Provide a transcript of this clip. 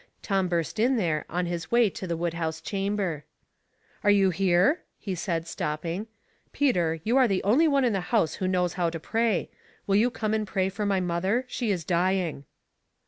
Tom burst in there on his way to the wood house chamber. " Are you here ?" he said, stopping. " Peter, you are the only one in the house who knows how to pray. Will you come and pray for my mother? She is dying."